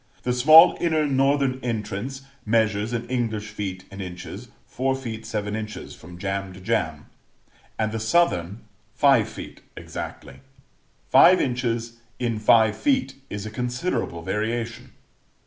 The small inner northern entrance measures, in English feet and inches, 4 ft. 7 in. from jamb to jamb, and the southern five feet exactly. Five inches in five feet is a considerable variation.